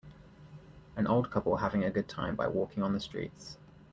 An old couple having a good time by walking on the streets.